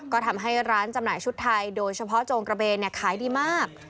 ก็ทำให้ร้านจำหน่ายชุดไทยโดยเฉพาะโจงกระเบนขายดีมาก